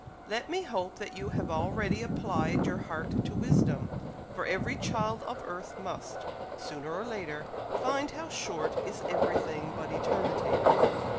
Let me hope that you have already applied your heart to wisdom, for every child of earth must, sooner or later, find how short is every thing but eternity.